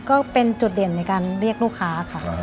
ก็เป็นจุดเด่นในการเรียกลูกค้าค่ะ